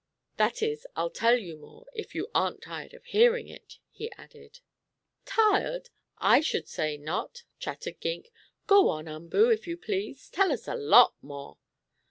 "That is I'll tell you more, if you aren't tired of hearing it," he added. "Tired? I should say not!" chattered Gink. "Go on, Umboo, if you please. Tell us a lot more!"